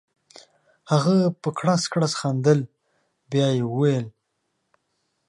هغه په کړس کړس خندل بیا یې وویل.